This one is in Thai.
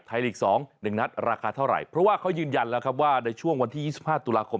ลีก๒๑นัดราคาเท่าไหร่เพราะว่าเขายืนยันแล้วครับว่าในช่วงวันที่๒๕ตุลาคม